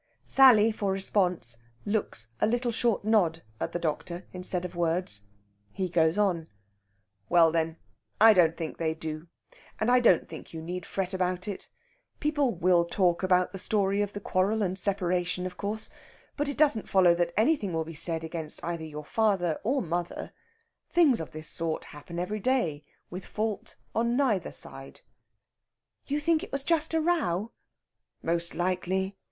Sally, for response, looks a little short nod at the doctor, instead of words. He goes on: "Well, then, I don't think they do. And I don't think you need fret about it. People will talk about the story of the quarrel and separation, of course, but it doesn't follow that anything will be said against either your father or mother. Things of this sort happen every day, with fault on neither side." "You think it was just a row?" "Most likely.